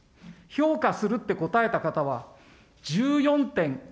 評価するって答えた方は、１４．５％。